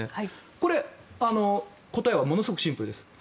これ、答えはものすごくシンプルです。